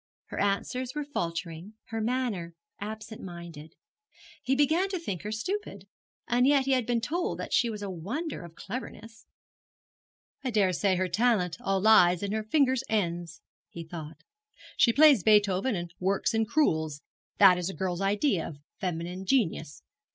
Her answers were faltering, her manner absent minded. He began to think her stupid; and yet he had been told that she was a wonder of cleverness. 'I daresay her talent all lies in her fingers' ends,' he thought. 'She plays Beethoven and works in crewels. That is a girl's idea of feminine genius.